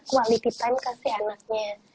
quality time kasih anaknya